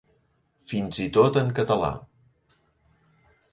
Fins i tot en català.